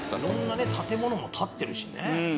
色んなね建物も立ってるしね。